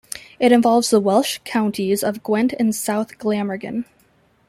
It involves the Welsh counties of Gwent and South Glamorgan.